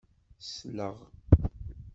Sleɣ.